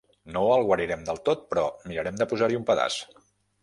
No el guarirem del tot, però mirarem de posar-hi un pedaç.